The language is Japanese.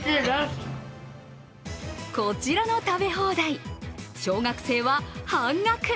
こちらの食べ放題、小学生は半額。